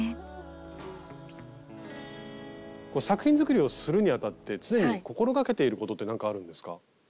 作品作りをするにあたって常に心掛けていることって何かあるんですか？